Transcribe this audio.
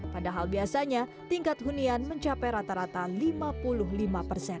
padahal biasanya tingkat hunian mencapai rata rata lima puluh lima persen